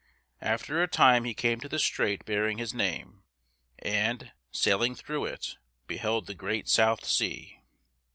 After a time he came to the strait bearing his name, and, sailing through it, beheld the Great South Sea.